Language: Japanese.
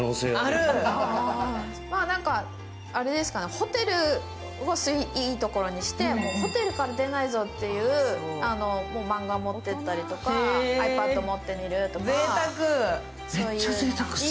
ホテルはいいところにして、ホテルから出ないぞっていう漫画を持って行ったりとか、ｉＰａｄ持っていってみるとか。